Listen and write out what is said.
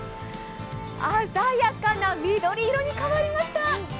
鮮やかな緑色に変わりました。